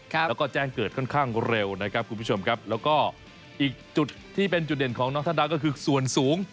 ก็ขึ้นมาพร้อมกัน